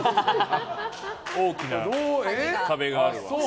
大きな壁があるわ。